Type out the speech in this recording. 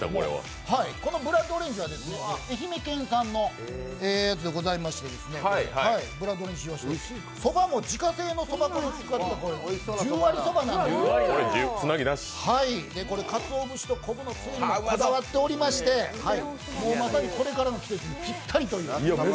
このブラッドオレンジは愛媛県産でございまして、そばも自家製のそば粉を使って十割そばなんですけど、かつお節と昆布のつゆにもこだわってましてまさにこれからの季節にぴったりという。